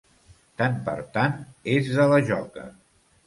Tant per tant és de la joca.